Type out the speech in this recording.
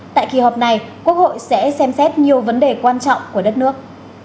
tại kỳ họp này quốc hội sẽ xem xét nhiều vấn đề quan trọng của đất nước